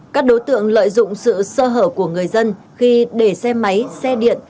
các đối tượng lợi dụng sự sơ hở của người dân khi để xe máy xe điện